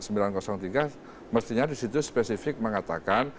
mestinya di situ spesifik mengatakan